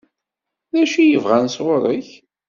D acu i bɣan sɣur-k?